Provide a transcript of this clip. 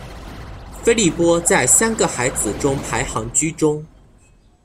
菲利波在三个孩子中排行居中。